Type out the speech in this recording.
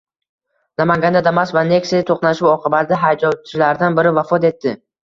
Namanganda Damas va Nexia to‘qnashuvi oqibatida haydovchilardan biri vafot etdi